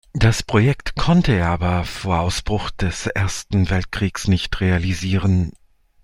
Das Projekt konnte er aber vor Ausbruch des Ersten Weltkriegs nicht realisieren.